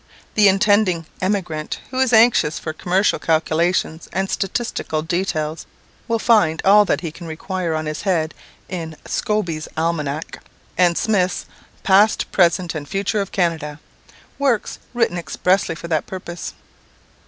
The intending emigrant, who is anxious for commercial calculations and statistical details, will find all that he can require on this head in "Scobie's Almanack," and Smith's "Past, Present, and Future of Canada," works written expressly for that purpose.